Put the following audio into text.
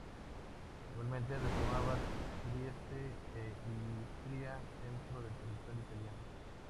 Igualmente reclamaba Trieste e Istria dentro del territorio italiano.